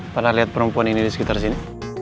pernah lihat perempuan ini di sekitar sini